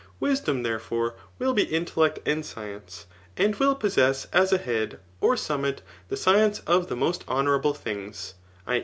Wisdom, there fore^ will be intellect and science, and will possess as a head [[or summit] the science of the most honourable things, Q.